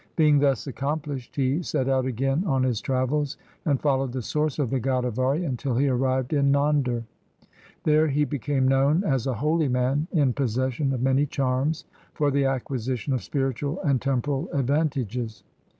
Being thus accomplished, he set out again on his travels, and followed the source of the Godavari until he arrived in Nander. There he became known as a holy man in possession of many charms for the acquisition of spiritual and temporal advantages.